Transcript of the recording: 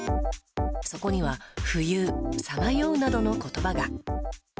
そこには「浮遊」「さまよう」などの言葉が。